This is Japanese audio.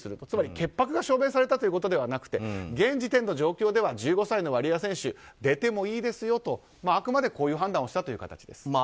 つまり潔白が証明されたというわけではなくて現時点での状況では１５歳のワリエワ選手出てもいいですよと、あくまでこういう判断をしたという形です。